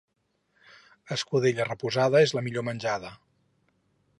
Escudella reposada és la millor menjada.